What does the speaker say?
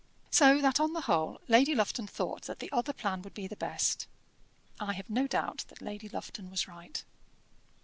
So that on the whole Lady Lufton thought that the other plan would be the best. I have no doubt that Lady Lufton was right.